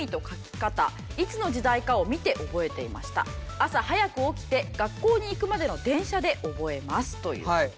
「朝早く起きて学校に行くまでの電車で覚えます」という。